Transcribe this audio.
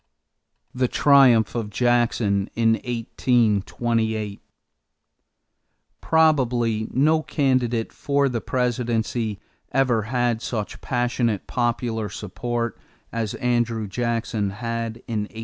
=The Triumph of Jackson in 1828.= Probably no candidate for the presidency ever had such passionate popular support as Andrew Jackson had in 1828.